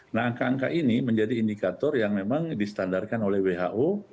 nah angka angka ini menjadi indikator yang memang distandarkan oleh who